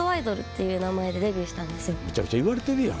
むちゃくちゃ言われてるやん。